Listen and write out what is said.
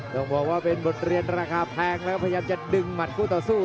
ต้องบอกว่าเป็นบทเรียนราคาแพงแล้วพยายามจะดึงหมัดคู่ต่อสู้